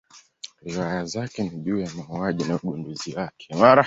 Riwaya zake ni juu ya mauaji na ugunduzi wake.